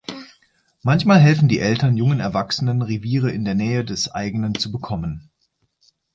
Manchmal helfen die Eltern jungen Erwachsenen Reviere in der Nähe des eigenen zu bekommen.